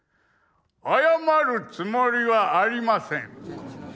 謝るつもりはありません。